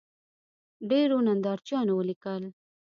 ډېرو نندارچیانو ولیکل